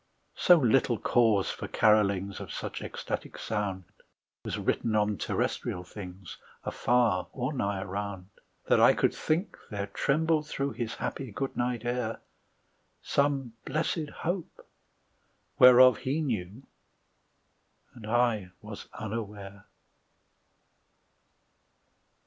So little cause for carolings Of such ecstatic sound Was written on terrestrial things Afar or nigh around, That I could think there trembled through His happy good night air Some blessed Hope, whereof he knew, And I was unaware.